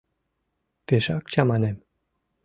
Пешак чаманем...